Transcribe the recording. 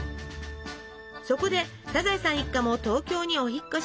そこでサザエさん一家も東京にお引っ越し。